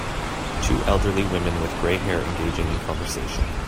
Two elderly women with gray hair engaging in conversation.